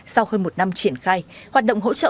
sau hơn một năm triển khai hoạt động hỗ trợ